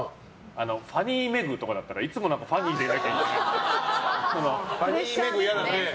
ファニー・メグとかだったらいつもファニーでファニー・メグやだね。